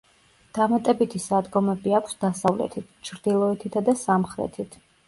დამატებითი სადგომები აქვს დასავლეთით, ჩრდილოეთითა და სამხრეთით.